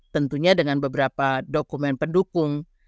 tentunya dengan beberapa dokumen pendukung